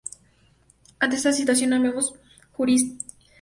Ante esta situación, ambos juristas resolvieron apelar a la Sede Apostólica.